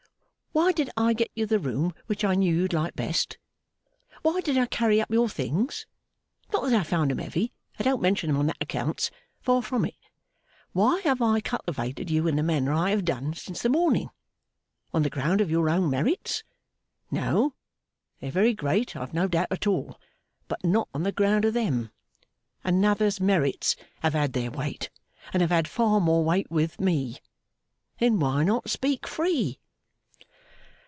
Why did I get you the room which I knew you'd like best? Why did I carry up your things? Not that I found 'em heavy; I don't mention 'em on that accounts; far from it. Why have I cultivated you in the manner I have done since the morning? On the ground of your own merits? No. They're very great, I've no doubt at all; but not on the ground of them. Another's merits have had their weight, and have had far more weight with Me. Then why not speak free?